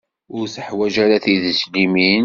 Ur teḥwaǧ ara tidet limin.